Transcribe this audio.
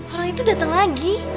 orang itu dateng lagi